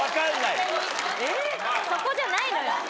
そこじゃないのよ。